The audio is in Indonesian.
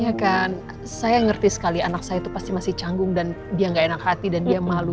ya kan saya ngerti sekali anak saya itu pasti masih canggung dan dia gak enak hati dan dia malu